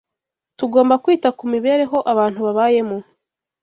Tugomba kwita ku mibereho abantu babayemo